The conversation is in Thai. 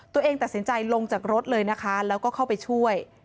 ตัวเองตัดสินใจลงจากรถเลยนะคะแล้วก็เข้าไปช่วย